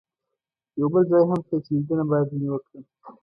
یو بل ځای هم شته چې لیدنه باید ځنې وکړم.